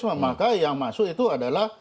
maka yang masuk itu adalah